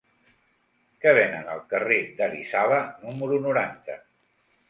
Què venen al carrer d'Arizala número noranta?